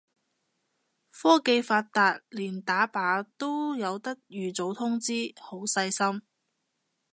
科技發達連打靶都有得預早通知，好細心